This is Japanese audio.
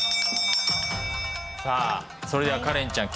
さあそれではカレンちゃん